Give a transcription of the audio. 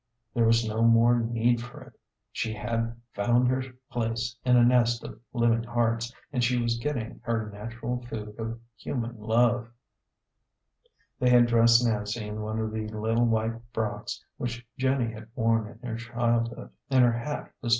There was no more need for it. She had found her place in a nest of living hearts, and she was get ting her natural food of human love. They had dressed Nancy in one of the little white frocks which Jenny had worn in her childhood, and her hat was 252 A GENTLE GHOST.